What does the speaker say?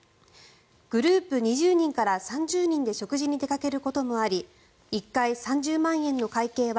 グループ２０人から３０人で食事に出かけることもあり１回３０万円の会計は